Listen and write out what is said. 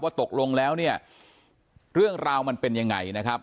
ตกลงแล้วเนี่ยเรื่องราวมันเป็นยังไงนะครับ